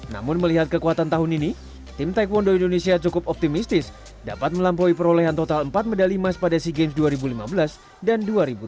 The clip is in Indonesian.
namun melihat kekuatan tahun ini tim taekwondo indonesia cukup optimistis dapat melampaui perolehan total empat medali emas pada sea games dua ribu lima belas dan dua ribu tujuh belas